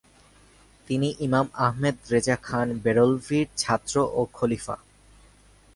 তিনি ইমাম আহমদ রেজা খান বেরলভীর ছাত্র ও খলিফা।